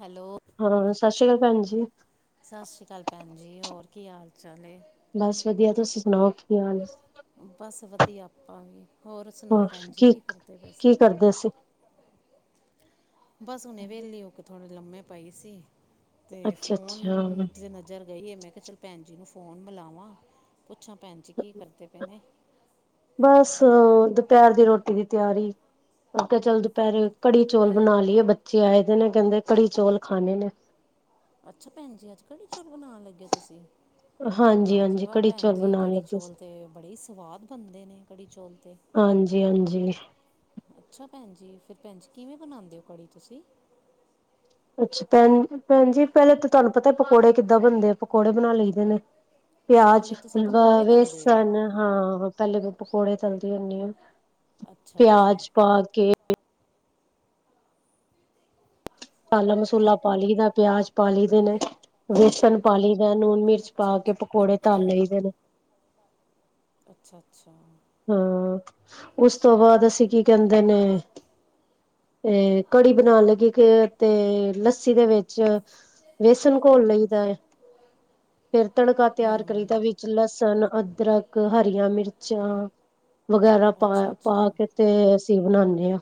Hello- ਹਾਂ ਸਤਿ ਸ਼੍ਰੀ ਅਕਾਲ ਭੈਣ ਜੀ ਸਤਿ ਸ਼੍ਰੀ ਅਕਾਲ ਭੈਣ ਜੀ ਹੋਰ ਕੀ ਹਾਲ ਚਾਲ ਬਸ ਵਧੀਆ ਤੁਸੀ ਸੁਣਾਓ ਕੀ ਹਾਲ ਬਸ ਵਧੀਆ ਆਪਾ ਵੀ ਹੋਰ ਸੁਣਾਓ ਭੈਣ ਜੀ ਕੀ ਕਰਦੇ ਪਏ ਕੀ ਸੀ। ਕਰਦੇ ਸੀ ਬਸ ਉਹਨੇ ਵਿਹਲੀ ਉਹ ਥੋੜੇ ਲੰਮੇ ਪਾਈ ਸੀ ਤੇ ਅੱਛਾ ਫੋਨ ਅੱਛਾ ਨ ਜਰ ਗਈ ਹੈ। ਮੈ ਕਿਹਾ ਚਲ ਭੈਣ ਜੀ ਨੂੰ ਫੋਨ ਮਿਲਾਵਾ ਪੁੱਛਾ ਭੈਣ ਜੀ ਕੀ ਕਰਦੇ ਪਏ ਨੇ ਬਸ ਦੁਪਹਿਰ ਦੀ ਰੋਟੀ ਦੀ ਤਿਆਰੀ ਅਗੇ ਚਲ ਦੁਪਹਿਰੇ ਕੜੀ ਚੌਲ ਬਣਾ ਲਈਏ ਬੱਚੇ ਆਏ ਦੇ ਨੇ ਕਹਿਦੇ ਕੜੀ ਚੌਲ ਖਾਣੇ ਨੇ ਅਛਾ ਭੈਣ ਜੀ ਅਜ ਕੜੀ ਚੋਟ ਬਣਾਉਣ ਲਗੇਆ ਤੁਸੀ ਹਾਂਜੀ ਵਾਜੀ ਹਾਂਜੀ ਵਾਹ ਕੜੀ ਭੈਣ ਚੌਲ ਜੀ ਬਣਾਉਣ ਕੜੀ ਲੱਗੇ ਚੋਲ ਸੀ ਤੇ ਬੜੇ ਸਵਾਦ ਬਣਦੇ ਨੇ ਕੜੀ ਚੋਲ ਤੇ ਹਾਂਜੀ ਹਾਂਜੀ। ਅੱਛਾ ਭੈਣ ਜੀ। ਫਿਰ ਭੈਣ ਜੀ ਕਿਵੇਂ ਬਣਾਉਂਦੇ ਓ ਕੜੀ ਤੁਸੀਂ? ਅੱਛਾ ਭੈਣ ਭੈਣ ਜੀ। ਪਹਿਲੇ ਤਾਂ ਤੁਹਾਨੂੰ ਪਤਾ ਪਕੌੜੇ ਕਿੱਦਾਂ ਬਣਦੇ ਆ? ਪਕੌੜੇ ਬਣਾ ਲਈਦੇ ਨੇ। [unintelligible] ਪਿਆਜ਼, ਤੁਸੀਂ ਫੁਲਵਾ, ਪਕੌੜੇ ਤਲਦੇ ਹੋ ਬੇਸਨ ਹਾਂ ਪਹਿਲੇ ਮੈਂ ਪਕੌੜੇ ਤਲ ਦੀ ਹੁੰਦੀ ਆ। ਅੱਛਾ ਅੱਛਾ। ਪਿਆਜ ਪਾਕੇ ਮਸਾਲਾ ਮਸੂਲਾ ਪਾ ਲਈ ਦਾ ਪਿਆਜ਼ ਪਾ ਲਈ ਦੇ ਨੇ ਬੇਸਣ ਪਾ ਲਈ ਦਾ ਲੂਣ ਮਿਰਚ ਅੱਛਾ ਪਾ ਕੇ ਅੱਛਾ ਪਕੌੜੇ ਤਲ ਲਈ ਦੇ ਨੇ। ਅੱਛਾ, ਅੱਛਾ ਹਾਂ ਉਸ ਤੋ ਬਾਅਦ ਅਸੀ ਕੀ ਕਹਿਦੇ ਨੇ ਅ ਕੜੀ ਬਣਾਣੇ ਲਗੀ ਕਿ ਤੇ ਲਸੀ ਦੇ ਵਿਚ ਵੇਸਣ ਘੋਲ ਲਈ ਦਾ, ਫਿਰ ਤੜਕਾ ਤਿਆਰ ਕਰੀ ਹੂੰ ਦਾ ਵੀ ਲਸਣ, ਅਦਰਕ, ਹਰੀਆਂ-ਮਿਰਚਾਂ ਵਗੈਰਾ ਅੱਛਾ ਅੱਛਾ ਪਾ-ਪਾ ਕੇ ਤੇ ਅਸੀ ਬਣਾਦੇ ਆ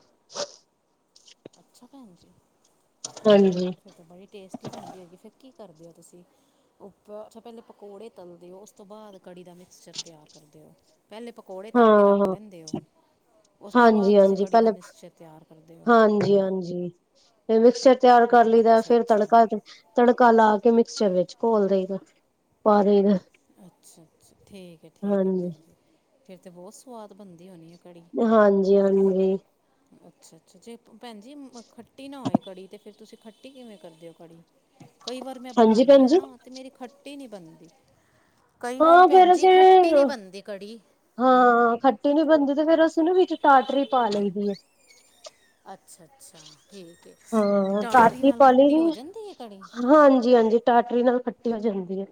ਅੱਛਾ ਭੈਣ ਜੀ- ਹਾਂਜੀ- ਫਿਰ ਬੜੀ ਟੇਸਟੀ ਬਨਦੀ ਹੋਏਗੀ ਫਿਰ ਕੀ ਕਰਦੇ ਓ ਤੁਸੀ? ਉਪਰ ਅਛਾ ਪਹਿਲੇ ਪਕੋੜੇ ਤਲਦੇ ਓ। ਉਸ ਤੋ ਬਾਅਦ ਕੜੀ ਦਾ ਮਿਕਸਚਰ ਤਿਆਰ ਕਰਦੇ ਹੋ ਪਹਿਲੇ ਪਕੋੜੇ ਤਲ ਕੇ ਰਖ ਲੈਦੇ ਓ। ਹਾਂਜੀਹਾਂਜੀ ਪਹਿਲ ਮਿਕਸਚਰ ਤਿਆਰ ਕਰਦੇ ਹੋ ਹਾਂਜੀ, ਹਾਂਜੀ ਫਿਰ ਮਿਕਸਚਰ ਤਿਆਰ ਕਰ ਲਈਦਾ ਅੱਛਾ ਫੇਰ ਅੱਛਾ ਤੜਕਾ ਤੇ ਤੜਕਾ ਲਾ ਕੇ ਮਿਕਸਚਰ ਵਿਚ ਘੋਲ ਦੇਈਦਾ ਪਾ ਦੇਈਦਾ। ਅਛਾ, ਅਛਾ ਠੀਕ ਹੈ। ਠੀਕ ਹੈ। ਭੈਣ ਜੀ ਫਿਰ ਤਾਂ ਬਹੁਤ ਸਵਾਦ ਬਣਦੀ ਹੋਣੀ ਐ ਕੜੀ? ਹਾਂਜੀ, ਹਾਂਜੀ ਅਛਾ, ਅਛਾ ਜੇ ਭੈਣ ਜ ਮ ਖੱਟੀ ਨਾ ਹੋਏ ਕੜੀ ਤਾਂ ਫਿਰ ਤੁਸੀ ਖੱਟੀ ਕਿਵੇ ਕਰਦੇ ਹੋ ਕੜੀ? ਕਈ ਵਾਰ ਮੈ ਹਾਂਜੀ ਬਣਾਨੀ ਭੈਣ ਆ ਜੀ ਨਾ ਤੇ ਮੇਰੀ ਖੱਟੀ ਨਹੀ ਬਣਦੀ ਕਈ ਵਾਰੀ ਹਾਂ ਭੈਣ ਫੇਰ ਜੀ ਅਸੀਂ ਖਟੀ ਨਈ ਬਨਦੀ ਕੜੀ ਨਾ ਹਾਂ ਖੱਟੀ ਨੀ ਬਣਦੀ ਤੇ ਫੇਰ ਅਸੀ ਨਾ ਵਿਚ ਟਾਟਰੀ ਪਾ ਲਈ ਦੀ ਆ ਅਛਾ, ਅਛਾ ਠੀਕ ਹੈ। ਅਤੇ ਹਾਂ ਟਾਟਰੀ ਨਾਲ ਪਾ ਲਈ ਖਟੀ ਦੀ ਹੋ ਹੈ। ਜਾਦੀ ਐ ਕੜੀ? ਹਾਂਜੀ ਹਾਂਜੀ ਟਾਟਰੀ ਨਾਲ ਖਟੀ ਹੋ ਜਾਦੀ ਆ।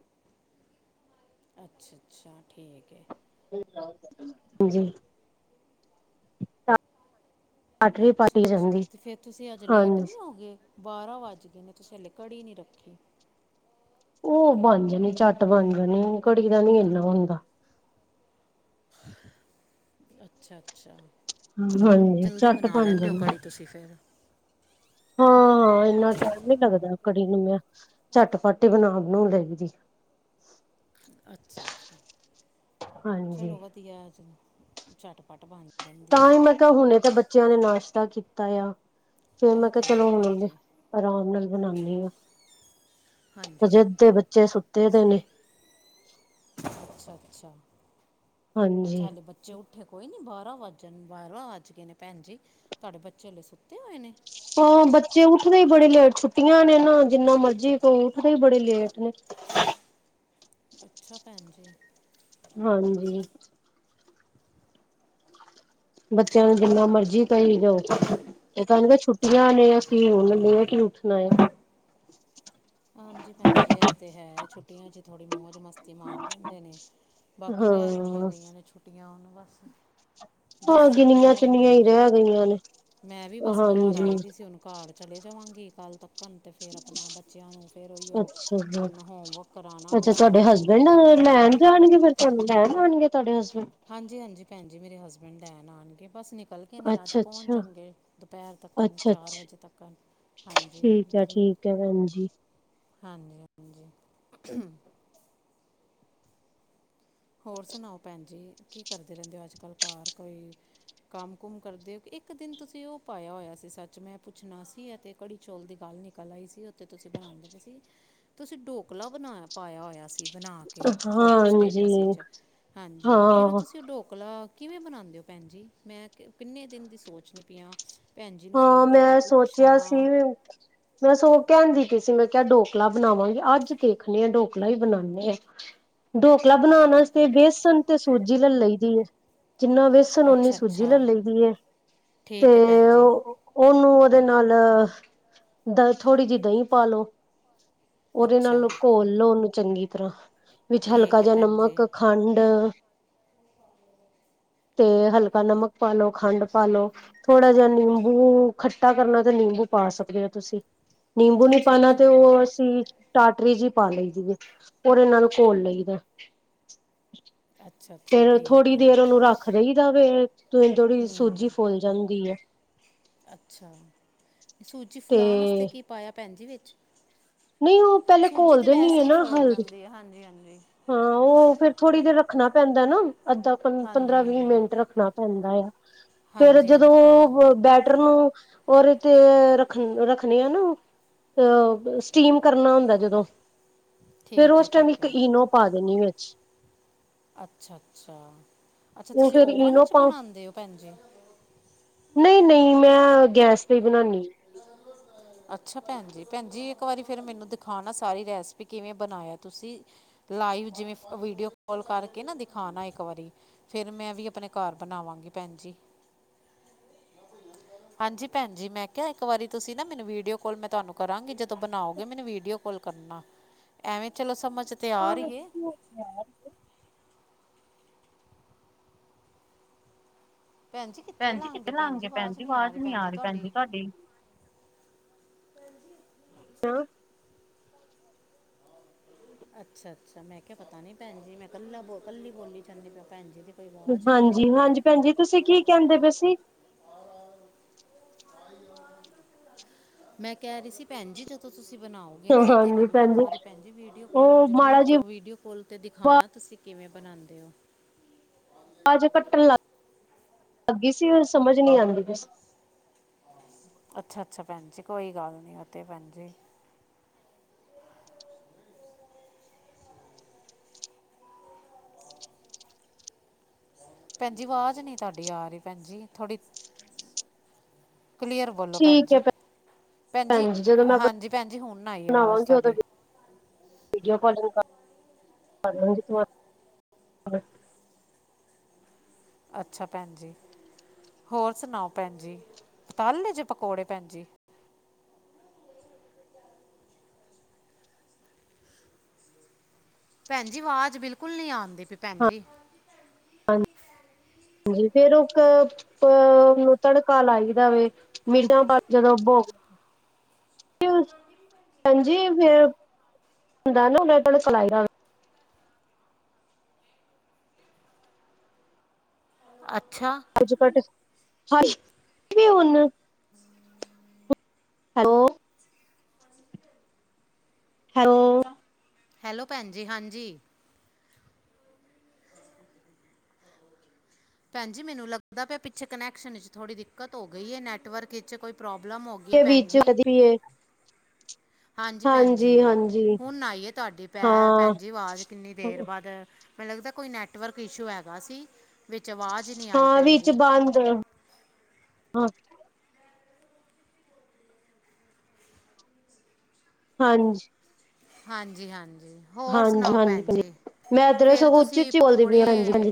ਅੱਛਾ, ਅੱਛਾ ਠੀਕ ਐ। ਹਾਂਜੀ - ਅਛਾ, ਅਛਾ ਅਤੇ ਫਿਰ ਤੁਸੀ ਅਜ ਲੇਟ ਹਾਂਜੀ ਨਹੀ ਹੋਗੇ ਏ? ਬਾਰਾਂ ਵਜ ਗਏ ਤੁਸੀ ਅਜੇ ਕੜੀ ਨਹੀ ਰਖੀ ਉਹ ਬਣ ਜਾਣੀ ਚੱਟ ਬਣ ਜਾਣੀ ਕੜੀ ਦਾ ਨੀ ਇਨਾ ਨਹੀ ਹੁੰਦਾ ਅਛਾ, ਅਛਾ ਹਾਂਜੀ ਜਲਦੀ ਝੱਟ ਬਣਾ ਬਣ ਲੈਦੇ ਓ ਜਾਣੀ ਕੜੀ ਤੁਸੀ ਫੇਰ ਹਾਂ ਇਨਾ ਟਾਈਮ ਨੀ ਲਗਦਾ ਕੜੀ ਨੂੰ ਮੈ ਝਟਪਟ ਹੀ ਬਣਾ ਬਣਾਉਣ ਲਈ ਦੀ। [inaudible] ਅਛਾ- ਅਛਾ ਚਲੋ ਹਾਂਜੀ ਵਧੀਆ ਜੀ ਝੱਟ ਪੱਟ ਬਣ ਤਾਂ ਜਾਂਦੀ ਹੈ ਹੀ ਤੇ ਮੈਂ ਕਿਹਾ ਹੁਣੇ ਤਾਂ ਬੱਚਿਆਂ ਨੇ ਨਾਸ਼ਤਾ ਕੀਤਾ ਆ ਫਿਰ ਮੈਂ ਇਹ ਕਿਹਾ ਤੇ ਹੈ ਚਲੋ ਭੈਣ ਹੁਣ ਜੀ ਆਰਾਮ ਨਾਲ ਬਣਾਨੀ ਆ। ਹਾਂਜੀ ਹਜੇ ਅੱਦੇ ਹਾਂਜੀ ਬੱਚੇ ਸੁੱਤੇ ਪਏ ਨੇ। ਅੱਛਾ, ਅੱਛਾ, ਹਾਂਜੀ ਅੱਛਾ ਹਲੇ ਬੱਚੇ ਬੱਚੇ ਉੱਠੇ ਕੋਈ ਨਹੀਂ ਬਾਰਾਂ ਵੱਜਣ ਬਾਰਾਂ ਵੱਜ ਗਏ ਨੇ ਭੈਣ ਜੀ ਤੁਹਾਡੇ ਬੱਚੇ ਅੇ ਸੁੱਤੇ ਹੋਏ ਨੇ! ਹਾਂ ਬੱਚੇ ਉੱਠਦੇ ਹੀ ਬੜੇ ਲੇਟ ਛੁੱਟੀਆਂ ਨੇ ਨਾ ਜਿੰਨਾ ਮਰਜੀ ਕੋ ਉੱਠਦੇ ਹੀ ਬੜੇ ਲੇਟ ਨੇ। ਅੱਛਾ ਭੈਣ ਜੀ। ਹਾਂਜੀ ਬੱਚਿਆਂ ਨੂੰ ਜਿੰਨਾ ਮਰਜੀ ਕਹੀ ਜਾਓ। ਇਹ ਤਾਂ ਤਾਂ ਛੁੱਟੀਆਂ ਨੇ ਅਸੀਂ ਹੁਣੇ ਲੇਟ ਆ ਕਿ ਉੱਠਣੇ ਆ ਹਾਂਜੀ ਭੈਣਜੀ ਇਹ ਤੇ ਹੈ। ਛੁੱਟੀਆ 'ਚ ਥੋੜੀ ਮੋਜ ਮਸਤੀ ਮਾਰ ਲੈਦੇ ਨੇ ਬਾਕੀ ਰਹਿ ਕਿਨੀਆਂ ਹਾਂ ਗਈਆਂ ਨੇ ਛੁੱਟੀਆਂ ਉਹਨੂੰ ਬਸ ਹਾਂ ਦਸ ਛੁੱਟੀਆਂ ਗਿਣੀਆਂ ਰਹਿ ਚੁਣੀਆਂ ਗਈਆਂ ਹੀ ਨੇ ਰਹਿ ਗਈਆਂ ਨੇ ਮੈ ਵੀ ਬਸ ਬਾਹਰ ਹਾਂਜੀ ਆਈ ਦੀ ਸੀ ਉਹਨੂੰ ਘਰ ਚਲੇ ਜਾਵਾਂਗੇ ਕੱਲ੍ਹ ਤੱਕਣ ਤੇ ਫਿਰ ਆਪਣਾ ਬੱਸ ਬੱਚਿਆਂ ਨੂੰ ਫਿਰ ਉਹੀ ਉਹ ਅੱਛਾ ਜੀ ਆਪਣਾ ਹੋਮਵਰਕ ਕਰਾਉਣਾ ਵੇ ਅੱਛਾ ਤੁਹਾਡੇ ਸਾਰਾ ਹੋਮਵਰਕ ਕਰਨ ਹਸਬੈਂਡ ਲੈਣ ਜਾਣਗੇ ਫਿਰ ਤੁਹਾਨੂੰ ਲੈ ਜਾਣਗੇ ਤੁਹਾਡੇ ਹਸਬੈਂਡ ਹਾਂਜੀ ਹਾਂਜੀ ਭੈਣਜੀ ਮੇਰੇ ਹਸਬੈਂਡ ਲੇਨ ਆਉਣਗੇ ਬੱਸ ਨਿਕਲਦੇ ਕੱਲ ਕੇ ਨੇ ਅੱਜ ਅੱਛਾ ਪਹੁੰਚ ਅੱਛਾ ਜਾਣਗੇ ਦੁਪਹਿਰ ਤੱਕ ਅੱਛਾ ਚਾਰ ਵਜੇ ਅੱਛਾ ਤੱਕ ਹਾਂਜੀ ਠੀਕ ਹੈ ਹਾਂਜੀ ਠੀਕ ਹੈ ਭੈਣ ਜੀ ਹਾਂਜੀ ਹੋਰ ਸੁਣਾਓ ਭੈਣ ਜੀ ਕੀ ਕਰਦੇ ਰਹਿੰਦੇ ਹੋ ਅੱਜ ਕੱਲ੍ਹ ਘਰ ਕੋਈ ਕੰਮ ਕੁਮ ਕਰਦੇ ਹੋ ਇੱਕ ਦਿਨ ਤੁਸੀਂ ਉਹ ਪਾਇਆ ਹੋਇਆ ਸੀ। ਸੱਚ ਮੈਂ ਪੁੱਛਣਾ ਸੀ ਤੇ ਕੜੀ ਚੁੱਲ ਦੀ ਗੱਲ ਨਿਕਲ ਆਈ ਸੀ ਉੱਥੇ ਤੁਸੀਂ ਬਣਾਉਂਦੇ ਸੀ ਤੁਸੀਂ ਡੋਕੱਲਾ ਬਣਾ ਪਾਇਆ ਹੋਇਆ ਸੀ। ਬਣਾ ਕੇ ਫੋਟੋ ਹਾਂਜੀ ਸਟੇਟਸ ਵਿੱਚ ਹਾਂਜੀ ਫਿਰ ਹਾਂ ਤੁਸੀਂ ਉਹ ਢੋਕਲਾ ਕਿਵੇਂ ਬਣਾਉਂਦੇ ਹੋ ਭੈਣ ਜੀ, ਮੈਂ ਕਿੰਨੇ ਦਿਨ ਦੀ ਸੋਚਣੀ ਪੀਆਂ। ਹਾਂ ਮੈਂ ਸੋਚਿਆ ਸੀ। ਮੈਂ ਸਗੋ ਕਹਿੰਦੀ ਪਈ ਸੀ ਮੈਂ ਕਿਹਾ, ਡੋਕਲਾ ਬਣਾਵਾਂਗੀ ਅੱਜ ਦੇਖਦੇ ਆਂ ਡੋਕਲਾ ਹੀ ਬਣਾਦੇ ਆਂ। [inaudible] ਢੋਕਲਾ ਬਣਾਉਣ ਵਾਸਤੇ ਬੇਸੱਣ ਤੇ ਸੂਜ਼ੀ ਲੈ ਲਈ ਦੀ ਹੈ। ਜਿੰਨਾ ਵੇਸਣ ਓਨੀ ਅੱਛਾ ਸੂਜ਼ੀ ਅੱਛਾ ਲੈ ਲਈ ਦੀ ਹੈ ਤੇ ਠੀਕ ਹੈ ਭੈਣ ਜੀ ਉਹ ਉਹਨੂੰ ਉਹਦੇ ਨਾਲ ਥੋੜ੍ਹੀ ਜਿਹੀ ਦਹੀਂ ਪਾ ਲੋ। ਉਹਦੇ ਅੱਛਾ ਨਾਲੋਂ ਘੋਲ ਲੋੋ ਉਹਨੂੰ ਚੰਗੀ ਤਰ੍ਹਾਂ ਵਿੱਚ ਹਲਕਾ ਠੀਕ ਹੈ ਜਿਹਾ ਭੈਣ ਜੀ ਨਮਕ, ਖੰਡ ਤੇ ਹਲਕਾ ਨਮਕ ਪਾ ਲਓ ਖੰਡ ਪਾ ਲੳ। ਥੋੜ੍ਹਾ ਜ ਨਿੰਬੂ ਖੱਟਾ ਕਰਨਾ ਤੇ ਨਿੰਬੂ ਪਾ ਸਕਦੇ ਹੋ ਤੁਸੀਂ ਨਿੰਬੂ ਨੀ ਅੱਛਾ ਪਾਉਣਾ ਅੱਛਾ ਤੇ ਭੈਣ ਉਹ ਜੀ ਅਸੀਂ ਟਾਟਰੀ ਜਹੀ ਪਾ ਲਈ ਜਦੀ ਔਰ ਇਹਨਾਂ ਨੂੰ ਘੋਲ ਲਈਦਾ। ਅੱਛਾ ਅੱਛਾ ਫਿਰ ਠੀਕ ਥੋੜ੍ਹੀ ਹੈ ਦੇਰ ਉਹਨੂੰ ਰੱਖ ਲਈ ਦਾ ਤੇ ਥੋੜੀ ਸੂਜੀ ਫੁੱਲ ਜਾਂਦੀ ਹੈ। ਅੱਛਾ ਸੂਜੀ ਤੇ ਫੁਲਾਉਣ ਵਾਸਤੇ ਕੀ ਪਾਇਆ ਭੇਣਜੀ ਵਿੱਚ ਨਹੀਂ ਉਹ ਪਹਿਲੇ ਸੂਜੀ ਤੇ ਘੋਲਦੇ ਨੀ ਵੈਸੇ ਏ ਹੀ ਨਾ ਫੈਲ ਹਲਦੀ ਜਾਂਦੀ ਆ ਹਾਂਜੀ ਹਾਂਜੀ ਹਾਂ ਉਹ ਫਿਰ ਥੋੜ੍ਹੀ ਦੇਰ ਰੱਖਣਾ ਪੈਂਦਾ ਨਾ ਅੱਧਾ ਘੰਟਾ ਹਾਂਜੀ ਪੰਦਰਾਂ ਵੀਹ ਹਾਂਜੀ ਮਿਂਟ ਰੱਖਣਾ ਪੈਂਦਾ ਆ ਫਿਰ ਹਾਂਜੀ ਜਦੋਂ ਹਾਂਜੀ ਭੈਣ ਉਹ ਜੀ ਬੈ ਮੇਟਰ ਨੂੰ ਔਰ ਰੱਖਣੀ ਆ ਨੂੰ ਅ ਸਟੀਮ ਕਰਨਾ ਹੁੰਦਾ ਜਦੋਂ ਫਿਰ ਠੀਕ ਹੈ ਉਸ ਟਾਈਮ ਠੀਕ ਇੱਕ ਹੈ ਈਨੋ ਪਾ ਦੇਣੀ ਵਿੱਚ ਅੱਛਾ ਅੱਛਾ ਅੱਛਾ ਉਹ ਤੁਸੀਂ ਫੇਰ ਓਵਨ ਇਨੋ ਵਿਚ ਪਾ ਬਣਾਉਦੇ ਹੋ। ਭੈਣ ਜੀ ਨਹੀਂ ਨਹੀਂ ਮੈਂ ਗੈਸ ਤੇ ਬਣਾਉਣੀ ਅੱਛਾ ਭੈਣ ਜੀ ਭੈਣ ਜੀ ਇੱਕ ਵਾਰੀ ਫਿਰ ਮੈਨੂੰ ਦਿਖਾਣਾ ਸਾਰੀ ਰੈਸਪੀ ਕਿਵੇਂ ਬਣਾਇਆ ਤੁਸੀਂ ਲਾਈਵ ਜਿਵੇਂ ਵੀਡੀਓ ਕਲ ਕਰਕੇ ਨਾ ਦਿਖਾਉਣਾ ਇੱਕ ਵਾਰੀ। ਫਿਰ ਮੈਂ ਵੀ ਆਪਣੇ ਘਰ ਬਣਾਵਾਂਗੀ ਭੈਣ ਜੀ। ਹਾਂਜੀ। ਭੈਣ। ਜ। ਮੈਂ। ਕਿਹਾ। ਇੱਕ। ਵਾਰੀ। ਤੁਸੀਂ। ਨਾ। ਮੈਨੂੰ। ਵੀਡੀਓ। ਕਾਲ। ਮੈਂ। ਤੁਹਾਨੂੰ। ਕਰਾਂਗੀ। ਜਦੋਂ। ਬਣਾਓਗੇ। ਮੈਨੂੰ। Video call. ਕਰਨਾ। ਐਵੇਂ। ਚਲੋ। ਸਮਝ। ਤੇ। ਆ। ਰਹੀ। ਹੈ। ਭੈਣ ਜੀ ਕਿੱਥੇ ਲਵਾਂਗੇ ਭੈਣ ਆਵਾਜ਼ ਨੀ ਆਰ ਹੀ ਭੈਣ ਜੀ ਤੁਹਾਡੀ। ਅੱਛਾ ਅੱਛਾ ਮੈਂ ਕਿਹਾ ਪਤਾ ਨੀ ਭੈਣ ਜੀ ਮੈਂ ਕੱਲੀ ਬੋਤਲ ਖੋਲੀ ਜਾਂਦੀ ਭੈਣ ਜੀ ਦੀ ਕੋਈ ਆਵਾਜ਼ ਨਹੀਂ ਆ ਹਾਂਜੀ ਰਹੀ ਹਾਂਜੀ ਭੈਣ ਜੀ ਤੁਸੀਂ ਕੀ ਕਹਿੰਦੇ ਪਏ ਸੀ? ਮੈਂ ਕਹਿ ਰਹੀ ਸੀ ਭੈਣ ਜੀ ਜਦੋਂ ਤੁਸੀਂ ਬਣਾਓ। ਗਏ ਨਾ ਅਤੇ ਹਾਂਜੀ ਮੈਨੂੰ ਭੈਣ ਇੱਕ ਵਾਰੀ ਭੈ ਜੀ ਜੀ ਵੀਡੀਓ ਕੋਲ ਉਹ ਜ਼ਰੂਰ ਮਾੜਾ ਜੀ ਕਰਿਓ ਵੀਡੀਓ ਕੋਲ। ਅਤੇ ਦਿਖਾਉਣਾ ਤੁਸੀਂ ਕਿਵੇਂ ਬਣਾਉਂਦੇ ਹੋ? ਅੱਜ ਕੱਟਣ ਲੱਗ ਲੱਗੀ ਸੀ ਸਮਝ ਨੀ ਆਉਂਦੀ। ਅੱਛਾ ਅੱਛਾ ਭੈਣ ਜੀ ਕੋਈ ਗੱਲ ਨੀ ਤੇ ਭੈਣ ਜੀ। ਭੈਣ ਜੀ ਆਵਾਜ਼ ਨਹੀਂ ਤੁਹਾਡੀ ਆ ਰਹੀ ਭੈਣ ਜੀ ਥੋੜੀ। ਕਲੀਅਰ ਬੋਲੋ ਭੈਣ ਠੀਕ ਹੈ ਜੀ ਭੈਣ ਜੀ ਹਾਂਜੀ ਭੈਣ ਜੀ ਹੁਣ ਆਈ ਆਵਾਜ਼ ਬਣਾਵਾਂਗੀ ਉਦੋਂ ਤੁਹਾਡੀ ਵੀਡੀਓ ਕਾਲਿੰਗ [unintelligible] ਅੱਛਾ ਭੈਣ ਜੀ ਹੋਰ ਸੁਣਾਓ ਭੈਣ ਜੀ ਤੱਲ ਲਏ ਜੇ ਪਕੌੜੇ ਭੈਣ ਜੀ ਭੈਣ ਜੀ ਆਵਾਜ਼ ਬਿਲਕੁੱਲ ਨਹੀਂ ਆਉਂਦੀ ਪਈ ਭੈਣ ਜੀ ਹਾਂ ਹਾਂਜੀ ਫਿਰ ਉਹਨੂੰ ਤੜਕਾ ਲਾਈਦਾ ਵੇ ਮਿਰਦਾਂ ਜਦੋਂੋ [unintelligible] ਜੀ ਫਿਰ ਹੁੰਦਾ ਨਾ ਉਹ ਸਿਲਾਈ ਅੱਛਾ। ਅੱਜ। ਘਟ। ਹ। ਵੀ। ਹੁਣ। ਸ ਸ। ਹੈਲੋ। ਹੈਲੋ। ਹੈਲੋ। ਭੈਣ। ਜੀ। ਹਾਂਜੀ। ਸ ਭੈਣਜੀ। ਮੈਨੂੰ। ਲੱਗਦਾ। ਪਿਆ। ਪਿੱਛੇ। ਕਨੈਕਸ਼ਨ। ਚ। ਥੋੜ੍ਹੀ। ਦਿੱਕਤ। ਹੋ। ਗਈ। ਹੈ। ਨੈਟਵਰਕ। ਵਿੱਚ। ਕੋਈ। ਪ੍ਰੋਬਲਮ। ਹੋ। ਗਈ ਹੈ ਭੈਣ ਵਿੱਚ। ਜੀ ਕਦੇ। ਵੀ। ਇਹ। ਹਾਂਜੀ। ਭੈਣਜੀ। ਹਾਂਜੀ ਹੁਣ। ਆਈਏ। ਤੁਹਾਡੀ। ਪੈ। ਹਾਂ ਭੈਣਜਜੀ। ਆਵਾਜ਼। ਕਿੰਨੀ। ਦੇਰ। ਬਾਅਦ। ਮੈਨੂੰ। ਲੱਗਦਾ। ਕੋਈ। ਨੈਟਵਰਕ। ਇਸ਼ੂ। ਹੈਗਾ। ਸੀ। ਵਿਚ। ਵਾਰ। ਹਾਂ। ਵਿੱਚ। ਬੰਦ। ਹਾਂ। ਹਾਂਜੀ। ਹਾਂਜੀ। ਹਾਂਜੀ। ਹੋਰ। ਹਾਂਜੀ ਸੁਣਾਓ। ਭੈਣ। ਹਾਂਜੀ ਜੀ। ਮੈਂ ਇੱਧਰ ਫਿਰ। ਸਗੋਂ ਉੱਚੀ ਤੁਸੀਂ। ਉੱਚੀ ਬੋਲਦੀ ਪਈ ਪਕੌੜੇ। ਹਾਂ ਹਾਂਜੀ ਹਾਂਜੀ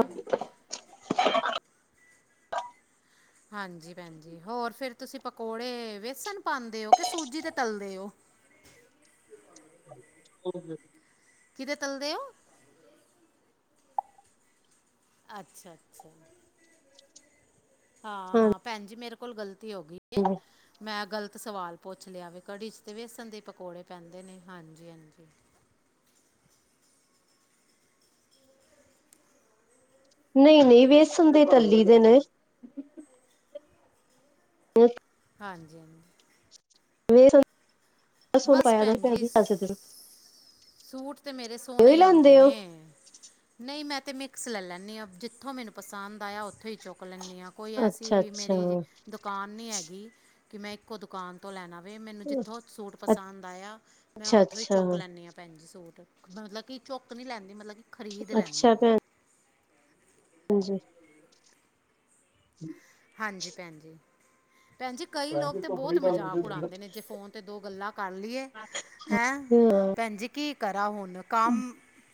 ਹਾਂਜੀ। ਭੈਣਜੀ। ਹੋਰ। ਫਿਰ। ਤੁਸੀਂ। ਪਕੌੜੇ। ਬੇਸਣ। ਪਾਉਂਦੇ। ਹੋ। ਕਿ। ਸੂਜੀ। ਤੇ। ਤਲਦੇ। ਹੋ। ਸ। ਸ। ਸ। ਕ। ਕਿਤੇਦੇ। ਤਲਦੇਓ। ਅੱਛਾ। ਅੱਛਾ। ਹਾਂ। ਹਾਂ। ਭੈਣ। ਜੀ। ਮੇਰੇ। ਕੋਲ। ਗਲਤੀ। ਹੋ। ਗਈ। ਹੈ। ਮੈਂ। ਗਲਤ। ਸਵਾਲ। ਪੁੱਛ। ਲਿਆ। ਵੀ। ਕੜੀ। 'ਚ। ਤਾਂ। ਵੇਸਣ। ਦੇ। ਪਕੌੜੇ। ਪੈਂਦੇ। ਨੇ। ਹਾਂਜੀ। ਹਾਂਜੀ। ਨਹੀਂ। ਨਹੀਂ। ਵੇਸਣ। ਦੇ। ਤੱਲੀ। ਦੇ। ਨੇ। ਅ। ਹਾਂਜੀ। ਹਾਂਜੀ। ਮ। ਬਸ। ਭੈਣ। ਜੀ। ਤੁਸੀਂ ਸੂਟ। ਸੂਟ ਤੇ ਮੇਰੇ ਸੋਹਨ ਉ ਹੀ ਹੁੰਦੇ ਲੈਂਦੇ ਹੋ ਨੇ। ਨਹੀਂ ਮੈਂ ਤੇ ਮਿਕਸ ਲੈ ਲੈਂਦੀ ਹਾਂ ਜਿੱਥੋਂ ਮੈਨੂੰ ਪਸੰਦ ਆਇਆ ਉੱਥੋਂ ਹੀ ਚੁੱਕ ਲੈਂਦੀ। ਕੋਈ ਐਸੀ ਅੱਛਾ ਮੇਰੀ ਅੱਛਾ ਦੁ ਦੁਕਾਨ ਨਹੀਂ ਹੈਗੀ ਕਿ ਮੈਂ ਇੱਕੋ ਦੁਕਾਨ ਤੋਂ ਲੈਣਾ ਵੇ ਮੈਨੂੰ ਜਿੱਥੋਂ ਸੂਟ ਪਸੰਦ ਆਇਆ। ਮੈਂ ਉੱਥੋਂ ਹੀ ਅੱਛਾ-ਅੱਛਾ, ਚੁੱਕ ਲੈਂਦੀ ਹਾਂ ਭੈਣ ਜੀ ਸੂਟ ਮਤਲਬ ਕਿ ਚੁੱਕ ਨਹੀਂ ਲੈਂਦੀ ਮਤਲਬ ਕਿ ਖਰੀਦ ਅੱਛਾ ਲੈਂਦੀ ਹਾਂ। ਹਾਂਜੀ। ਹਾਂਜੀ ਭੈਣ ਜੀ। ਭੈਣ ਜੀ ਕਈ ਲੋਕ ਤੇ ਬਹੁਤ ਮਜ਼ਾਕ ਉਡਾਉਂਦੇ ਨੇ ਜੇ ਫੋਨ ਤੇ ਦੋ ਗੱਲਾਂ ਕਰ ਲਈਏ। ਹੈਂ ਹਾਂ, ਭੈਣ ਜ ਕੀ ਕਰਾ ਹੁਣ ਕੰਮ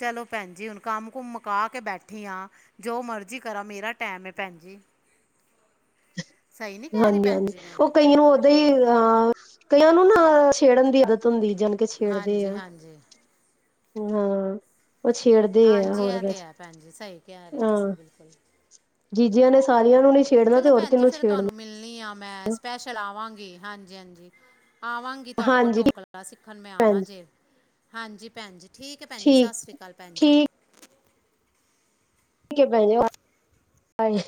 ਚਲੋ ਭੈਣ ਜੀ ਹੁਣ ਕੰਮ ਕੁੁੰਮ ਮੁਕਾ ਕੇ ਬੈਠੀ ਹਾਂ। ਜੋ ਮਰਜ਼ੀ ਕਰਾਂ ਮੇਰਾ ਟੈਮ ਹੈ ਭੈਣ ਜੀ। ਸਹੀ ਨਹੀਂ ਕਹਿ ਰਹੀ ਹਾਂਜੀ ਭੈਣ ਹਾਂਜੀ ਜੀ ਮੈਂ ਉਹ ਕਈ ਨੂੰ ਉਦਾਂ ਹੀ ਅਹ ਕਈਆਂ ਨੂੰ ਨਾ ਛੇੜਨ ਦੀ ਆਦਤ ਹੁੰਦੀ ਜਾਣੀ ਹਾਂਜੀ ਹਾਂਜੀ। ਹਾਂ ਉਹ। ਛੇੜਦਾ। ਹਾਂਜੀ। ਇਹ। ਤੇ। ਹੈ। ਭੈਣ। ਜੀ। ਸਹੀ। ਕਹਿ। ਰਹੇ। ਹਾਂ ਤੁਸੀਂ। ਬਿਲਕੁਲ। ਜੀਜਿਆਂ। ਨੇ। ਸਾਰੀਆਂ। ਨੂੰ। ਨੀ। ਛੇੜਨਾ। ਤੇ। ਚਲੋ ਭੈਣ ਔਰਤ। ਜੀ ਨੂੰ। ਫਿਰ ਛੇੜਨਾ। ਤੁਹਾਨੂੰ ਮਿਲਣੀ ਆ। ਮੈਂ ਸਪੈਸ਼ਲ। ਆਵਾਂਗੀ। ਹਾਂਜੀ। ਹਾਂਜੀ। ਆਵਾਂਗੀ। ਕਿ। ਤੁਹਾਡੇ। ਕੋਲ। ਹਾਂਜੀ ਠੀਕ ਡੋਕਲਾ। ਸਿੱਖਣ। ਹੈ ਮੈਂ। ਭੈਣ ਨਾ। ਜੀ ਜੇ। ਹਾਂਜੀ। ਭੈਣ। ਜ। ਠੀਕ। ਹੈ। ਭੈਣ। ਜੀ। ਸਤਿ। ਸ਼੍ਰੀ। ਅਕਾਲ। ਭੈਣ। ਜੀ। ਠੀਕ। ਹੈ। ਭੈਣੇ। ਜ।